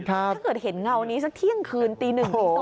ถ้าเกิดเห็นเงานี้สักเที่ยงคืนตี๑ตี๒